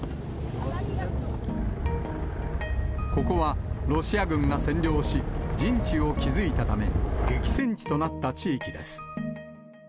ここはロシア軍が占領し、陣地を築いたため、激戦地となった地域です。